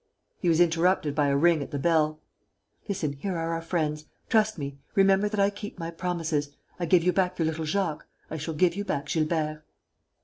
He was interrupted by a ring at the bell: "Listen, here are our friends. Trust me. Remember that I keep my promises. I gave you back your little Jacques. I shall give you back Gilbert."